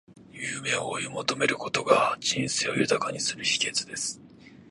夢を追い求めることが、人生を豊かにする秘訣です。